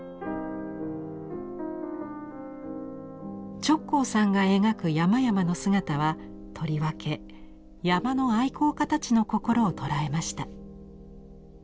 直行さんが描く山々の姿はとりわけ山の愛好家たちの心を捉えました。